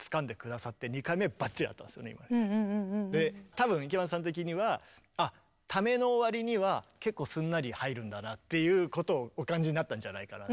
多分池松さん的にはあっためのわりには結構すんなり入るんだなっていうことをお感じになったんじゃないかなと。